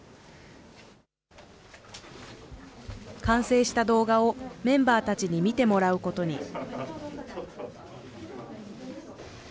完成した動画をメンバーたちに見てもらうことに。